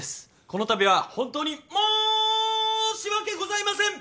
この度は本当に申し訳ございません。